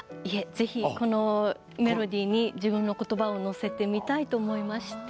ぜひこのメロディーに自分の言葉を乗せてみたいと思いまして。